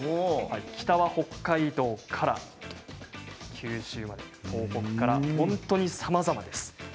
北は北海道から九州まで本当にさまざまです。